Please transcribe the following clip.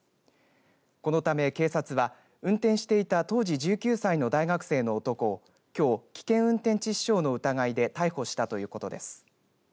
このため警察は運転していた当時１９歳の大学生の男をきょう、危険運転致死傷の疑いで逮捕したということです。